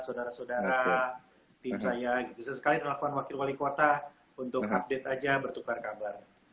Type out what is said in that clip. saudara saudara tim saya bisa sekali nelfon wakil wali kota untuk update aja bertukar kabar